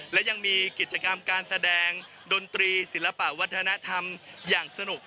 และยังมีกิจกรรมการแสดงดนตรีศิลปะวัฒนธรรมอย่างสนุก